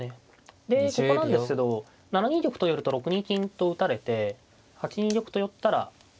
でここなんですけど７二玉と寄ると６二金と打たれて８二玉と寄ったら。